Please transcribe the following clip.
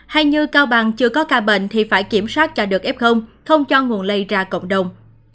hay như cao bằng chưa có ca bệnh thì phải kiểm soát cho được f không cho nguồn lây ra cộng đồng